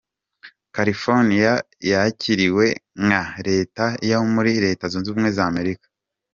California yakiriwe nka leta ya muri Leta zunze ubumwe za Amerika.